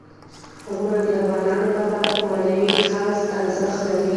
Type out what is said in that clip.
غرونه د افغانانو لپاره په معنوي لحاظ ارزښت لري.